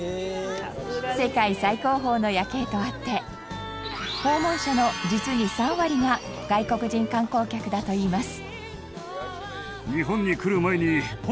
世界最高峰の夜景とあって訪問者の実に３割が外国人観光客だといいます。